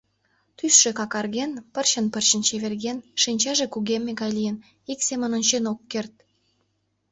Тӱсшӧ какарген, пырчын-пырчын чеверген, шинчаже кугемме гай лийын, ик семын ончен ок керт.